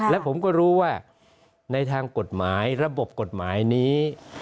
และผมก็รู้ว่าในทางกฎหมายระบบกฎหมายนี้